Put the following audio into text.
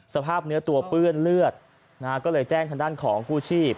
สภาพเนื้อตัวเปื้อนเลือดนะฮะก็เลยแจ้งทางด้านของกู้ชีพ